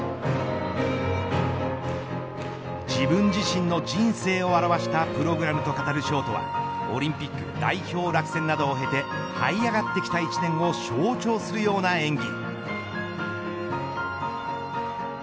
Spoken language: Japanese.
自分自身の人生を表したプログラムと語るショートはオリンピック代表落選などを経てはい上がってきた１年を象徴するような演技。